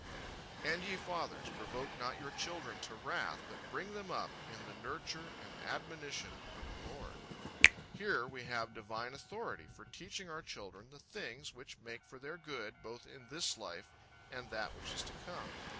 "And ye fathers, provoke not your children to wrath, but bring them up in the nurture and admonition of the Lord." Here, we have divine authority, for teaching our children, the things, which make for their good, both in this life and that which is to come.